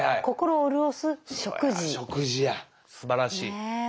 すばらしい。